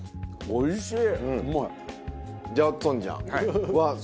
おいしい。